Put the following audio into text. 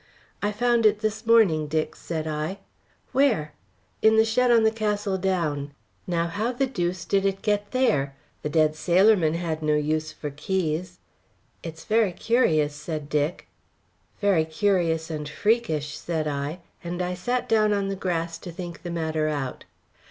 "I found it this morning, Dick," said I. "Where?" "In the shed on the Castle Down. Now, how the deuce did it get there? The dead sailormen had no use for keys." "It's very curious," said Dick. "Very curious and freakish," said I, and I sat down on the grass to think the matter out.